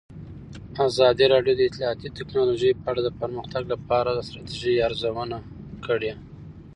ازادي راډیو د اطلاعاتی تکنالوژي په اړه د پرمختګ لپاره د ستراتیژۍ ارزونه کړې.